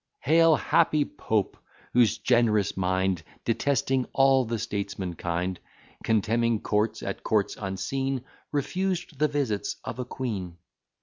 Hail, happy Pope! whose generous mind Detesting all the statesman kind, Contemning courts, at courts unseen, Refused the visits of a queen.